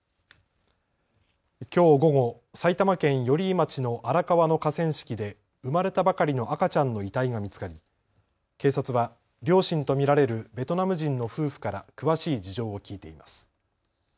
きょう午後、埼玉県寄居町の荒川の河川敷で生まれたばかりの赤ちゃんの遺体が見つかり警察は両親と見られるベトナム人の夫婦から詳しい事情を聞いています。